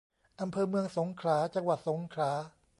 อำเภอเมืองสงขลา จังหวัดสงขลา